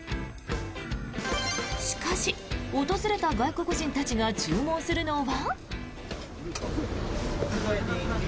しかし、訪れた外国人たちが注文するのは。